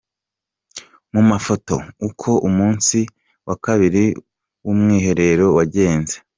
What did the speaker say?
Mu mafoto: Uko umunsi wa Kabiri w’Umwiherero wagenze.